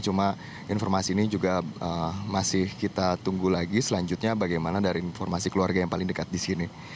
cuma informasi ini juga masih kita tunggu lagi selanjutnya bagaimana dari informasi keluarga yang paling dekat di sini